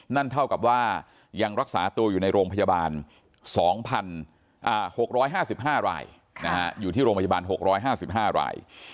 นั่นเท่ากับว่ายังรักษาตัวอยู่ในโรงพยาบาล๒๖๕๕ราย